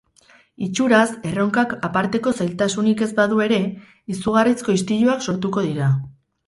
Itxuraz, erronkak aparteko zailtasunik ez badu ere, izugarrizko istiluak sortuko dira.